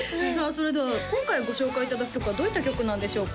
それでは今回ご紹介いただく曲はどういった曲なんでしょうか？